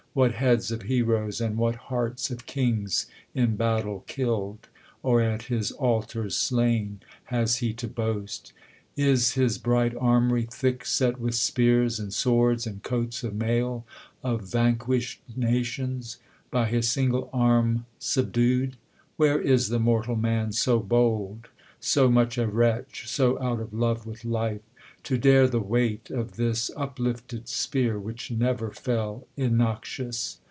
What heads of hei^oes, and what hearts of kings. In battle kilPd, or at his altars slain, Has he to boast ? Is his bright armoury Thick set with spears, and swords, and coats of mail, Of vanqnishM nations, by his single arm Subdu'd ? W^here is the mortal man so bold, So much a wretch, so out of love wdth life, To dare the weight of this uplifted spear, Whiqh never fell innoxious